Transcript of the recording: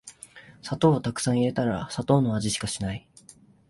砂糖をたくさん入れたら砂糖の味しかしない